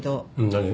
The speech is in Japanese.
何？